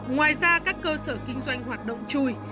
ngoài ra các cơ sở kinh doanh hoạt động chui